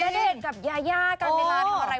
ณเดชน์กับยายากันเวลาทำอะไร